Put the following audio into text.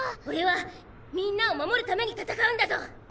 オレはみんなを守るために戦うんだゾ。